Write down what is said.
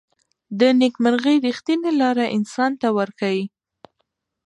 د نیکمرغۍ ریښتینې لاره انسان ته ورښيي.